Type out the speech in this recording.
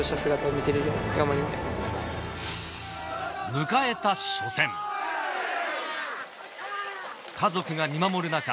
迎えた初戦家族が見守る中